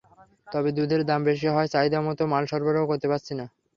তবে দুধের দাম বেশি হওয়ায় চাহিদামতো মাল সরবরাহ করতে পারছি না।